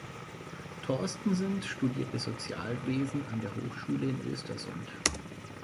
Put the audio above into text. Torstensson studierte Sozialwesen an der Hochschule in Östersund.